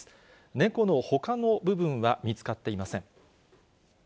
猫のほかの部分は見つかっていません。